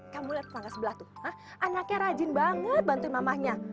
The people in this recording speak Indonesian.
kamu lihat tetangga sebelah tuh anaknya rajin banget bantuin mamahnya